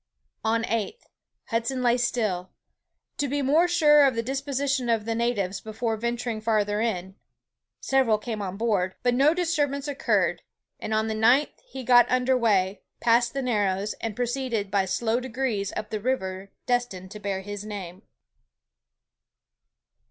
On the eighth, Hudson lay still, to be more sure of the disposition of the natives before venturing farther in. Several came on board, but no disturbance occurred, and on the ninth he got under weigh, passed the Narrows, and proceeded by slow degrees up the river destined to bear his name.